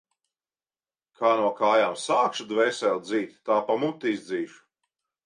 Kā no kājām sākšu dvēseli dzīt, tā pa muti izdzīšu.